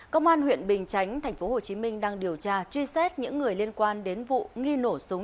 công an huyện bình chánh tp hcm đang điều tra truy xét những người liên quan đến vụ nghi nổ súng